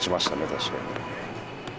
確かに。